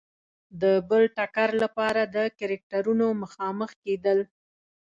د بل ټکر لپاره د کرکټرونو مخامخ کېدل.